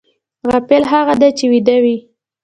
غافل هغه دی چې ویده وي